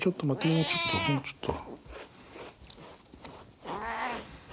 もうちょっともうちょっと。